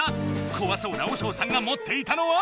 こわそうな和尚さんがもっていたのは。